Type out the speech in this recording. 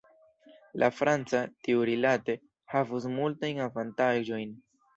La franca, tiurilate, havus multajn avantaĝojn.